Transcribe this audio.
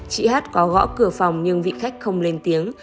chị hát có gõ cửa phòng nhưng vị khách không lên tiếng